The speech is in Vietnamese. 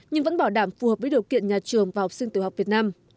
nhưng vẫn bảo đảm phù hợp với điều kiện nhà trường và học sinh tiểu học việt nam